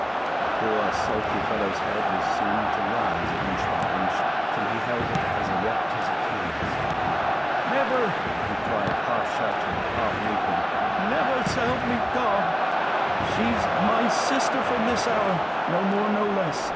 The poor sulky fellow's head was seen to rise inch by inch till he held it as erect as a king's. "Never!" he cried, half shouting, half weeping. "Never, s'help me God! She's my sister from this hour no more, no less.